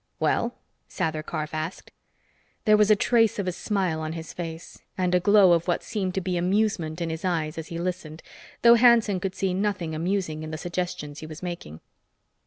"Well?" Sather Karf asked. There was a trace of a smile on his face and a glow of what seemed to be amusement in his eyes as he listened, though Hanson could see nothing amusing in the suggestions he was making.